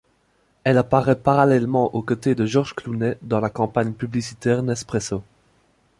Elle apparaît parallèlement aux côtés de George Clooney dans la campagne publicitaire Nespresso.